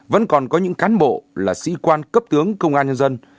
vẫn còn có những cán bộ là sĩ quan cấp tướng công an nhân dân